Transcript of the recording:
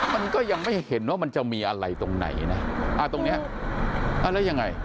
มันก็ยังไม่เห็นว่ามันจะมีอะไรตรงไหนนะอ่าตรงเนี้ยอ่าแล้วยังไง